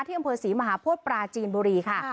อำเภอศรีมหาโพธิปราจีนบุรีค่ะ